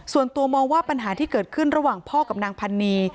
ส่วนตัวมองว่าปัญหาที่เกิดขึ้นระหว่างพ่อกับนางพันนี